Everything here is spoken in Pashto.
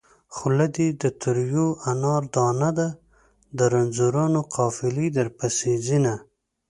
خوله دې د تريو انار دانه ده د رنځورانو قافلې درپسې ځينه